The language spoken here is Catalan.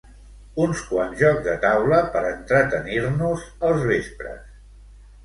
Uns quants jocs de taula per entretenir-nos els vespres